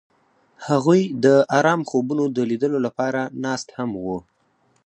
هغوی د آرام خوبونو د لیدلو لپاره ناست هم وو.